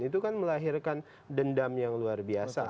itu kan melahirkan dendam yang luar biasa